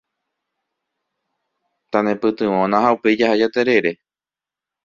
Tanepytyvõna ha upéi jaha jaterere.